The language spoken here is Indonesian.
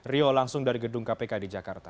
rio langsung dari gedung kpk di jakarta